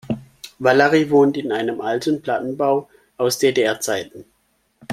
Valerie wohnt in einem alten Plattenbau aus DDR-Zeiten.